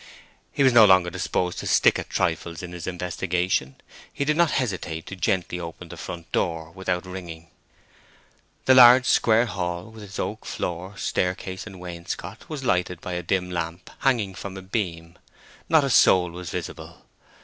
He was no longer disposed to stick at trifles in his investigation, and did not hesitate to gently open the front door without ringing. The large square hall, with its oak floor, staircase, and wainscot, was lighted by a dim lamp hanging from a beam. Not a soul was visible.